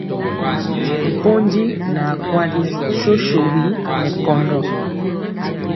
Pondi naa kwali sosogi nɛ kɔndɔ.